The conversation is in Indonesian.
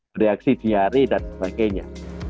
bereaksi diari dan sebagainya